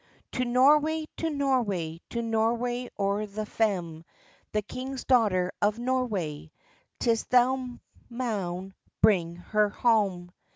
"To Noroway, to Noroway, To Noroway oer the faem; The king's daughter of Noroway, 'Tis thou maun bring her hame."